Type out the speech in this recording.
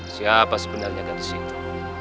siapa sebenarnya yang ada disitu